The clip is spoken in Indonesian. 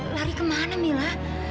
lari kemana mila